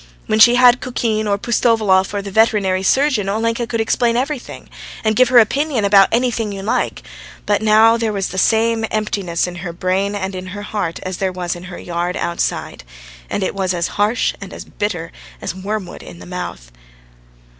When she had Kukin, or Pustovalov, or the veterinary surgeon, Olenka could explain everything, and give her opinion about anything you like, but now there was the same emptiness in her brain and in her heart as there was in her yard outside. And it was as harsh and as bitter as wormwood in the mouth.